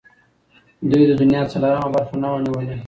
دوی د دنیا څلورمه برخه نه وه نیولې.